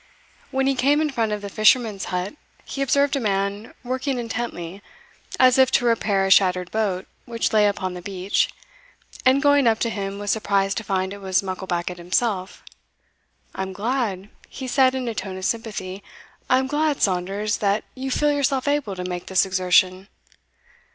When he came in front of the fisherman's hut, he observed a man working intently, as if to repair a shattered boat which lay upon the beach, and going up to him was surprised to find it was Mucklebackit himself. "I am glad," he said in a tone of sympathy "I am glad, Saunders, that you feel yourself able to make this exertion."